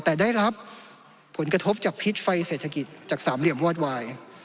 แต่ได้รับผลกระทบจากพิษไฟเศรษฐกิจจากสามเหลี่ยมวอดวาย